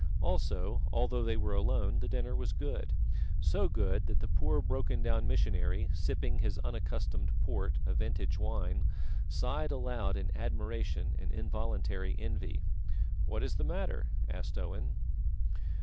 Also, although they were alone, the dinner was good so good that the poor broken down missionary, sipping his unaccustomed port, a vintage wine, sighed aloud in admiration and involuntary envy. "What is the matter?" asked Owen.